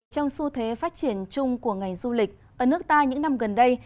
trong xu thế phát triển chung của ngành du lịch ở nước ta những năm gần đây